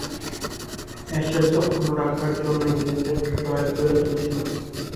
Ashes অক্ষুণ্ন রাখার জন্য ইংল্যান্ডের ড্রয়ের প্রয়োজন ছিল।